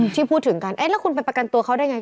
ที่พูดถึงกันเอ๊ะแล้วคุณไปประกันตัวเขาได้ไง